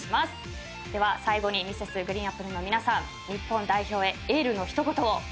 では最後にＭｒｓ．ＧＲＥＥＮＡＰＰＬＥの皆さん日本代表へエールの一言をお願いします。